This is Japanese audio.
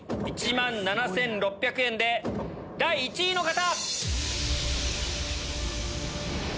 １万７６００円で第１位の方！